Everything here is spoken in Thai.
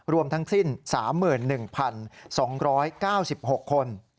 รวมทั้งสิ้น๓๑๒๙๖คน